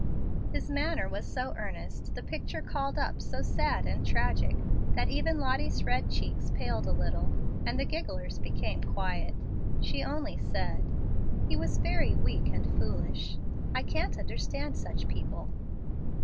His manner was so earnest, the picture called up so sad and tragic, that even Lottie's red cheek paled a little, and the gigglers became quiet. She only said, "He was very weak and foolish. I can't understand such people."